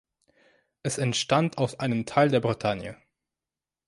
Es entstand aus einem Teil der Bretagne.